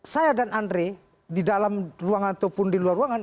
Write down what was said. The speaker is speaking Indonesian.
saya dan andre di dalam ruangan ataupun di luar ruangan